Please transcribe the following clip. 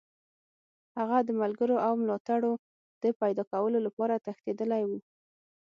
هغه د ملګرو او ملاتړو د پیداکولو لپاره تښتېدلی وو.